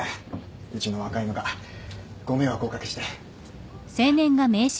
うちの若いのがご迷惑をお掛けして。